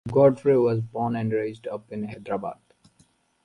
Godfrey was born and raised up in Hyderabad.